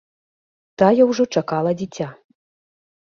Тая ўжо чакала дзіця.